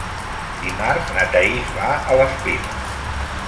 Dimarts na Thaís va a les Piles.